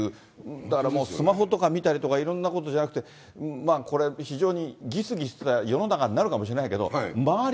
だからもう、スマホとか見たりいろんなことしなくて、これ、非常にぎすぎすした世の中になるかもしれないけど、周り